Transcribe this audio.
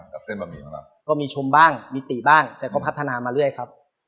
ก็มีชมบ้างมิติบ้างแต่เขาพัฒนามาเรื่อยครับ